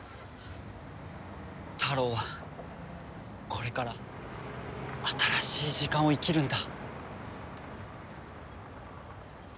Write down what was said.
タロウはこれから新しい時間を生きるんだ。